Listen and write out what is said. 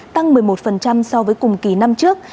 tăng một mươi một so với cùng kỳ năm trước